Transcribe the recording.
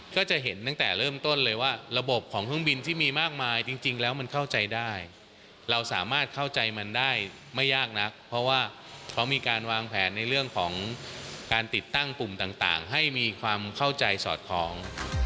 ก็จะเห็นตั้งแต่เริ่มต้นเลยว่าระบบของเครื่องบินที่มีมากมายจริงแล้วมันเข้าใจได้เราสามารถเข้าใจมันได้ไม่ยากนักเพราะว่าเขามีการวางแผนในเรื่องของการติดตั้งปุ่มต่างให้มีความเข้าใจสอดคล้อง